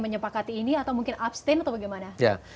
menyepakati ini atau mungkin abstain atau bagaimana